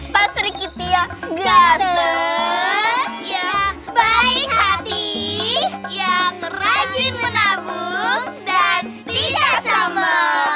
pasur kiti yang gede yang baik hati yang rajin menabung dan tidak samar